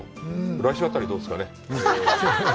来週あたりどうですかね？